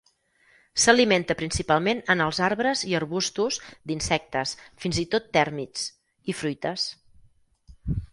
S'alimenta principalment en els arbres i arbustos d'insectes, fins i tot tèrmits, i fruites.